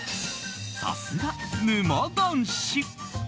さすが沼男子。